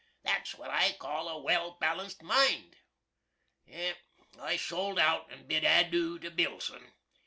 That's wot I call a well balanced mind. I sold out and bid adoo to Billson.